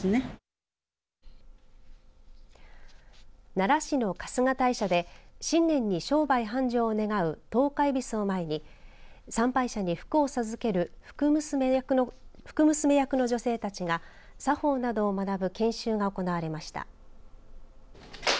奈良市の春日大社で新年に、商売繁盛を願う十日えびすを前に参拝者に福を授ける福娘役の女性たちが作法などを学ぶ研修が行われました。